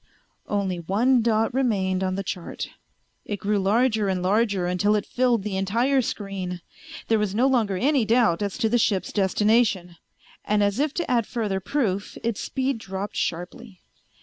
Only one dot remained on the chart. It grew larger and larger until it filled the entire screen. There was no longer any doubt as to the ship's destination, and as if to add further proof its speed dropped sharply.